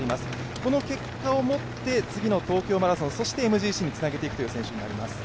この結果をもって次の東京マラソンそしてＭＧＣにつなげていくという選手になります。